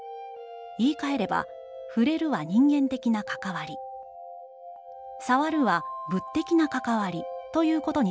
言い換えれば、『ふれる』は人間的なかかわり、『さわる』は物的なかかわり、ということになるでしょう」。